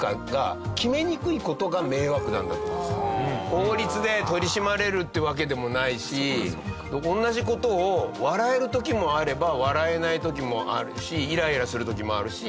法律で取り締まれるってわけでもないし同じ事を笑える時もあれば笑えない時もあるしイライラする時もあるし。